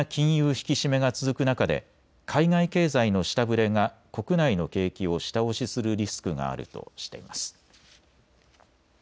引き締めが続く中で海外経済の下振れが国内の景気を下押しするリスクがあるとしています。